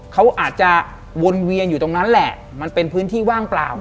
เขาอาจจะวนเวียนอยู่ตรงนั้นแหละมันเป็นพื้นที่ว่างเปล่า